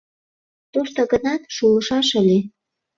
— Тошто гынат, шулышаш ыле...